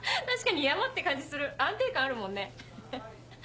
確かに山って感じする安定感あるもんねフフフ。